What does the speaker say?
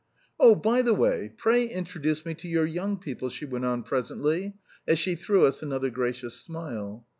"Oh, by the way, pray introduce me to your young people," she went on presently as she threw us another gracious smile.